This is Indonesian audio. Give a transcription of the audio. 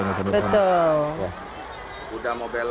betul sudah mau belok